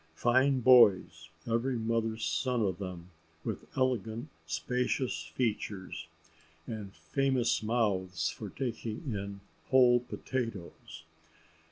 Fine boys, every mother's son of them, with elegant spacious features, and famous mouths for taking in whole potatoes.